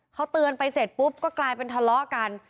เขาเตือนไปเสร็จปุ๊บก็กลายเป็นทะเลาะกัน